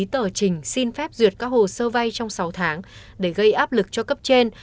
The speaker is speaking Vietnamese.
tờ trình xin phép duyệt các hồ sơ vay trong sáu tháng để gây áp lực cho cấp trên